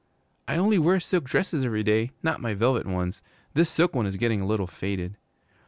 I only wear silk dresses every day, not my velvet ones. This silk one is getting a little faded.'